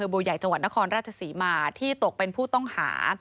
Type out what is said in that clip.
บใหญ่จนครราชศรีมาที่ตกเป็นผู้ต้องหา